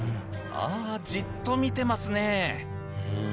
ああじっと見てますね。